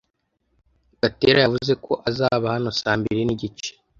Gatera yavuze ko azaba hano saa mbiri nigice.